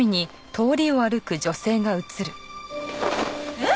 えっ！？